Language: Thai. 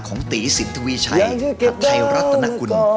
ของตีสินทวีชัยไทยรัฐนกุล